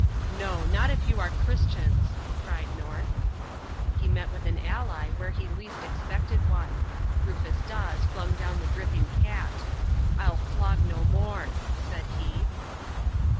"No. Not if you are Christians!" cried North. He met with an ally where he least expected one. Rufus Dawes flung down the dripping cat. "I'll flog no more," said he.